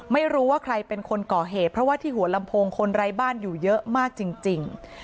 ไม่รู้ว่าใครเป็นคนก่อเหตุเพราะว่าที่หัวลำโพงคนไร้บ้านอยู่เยอะมากจริง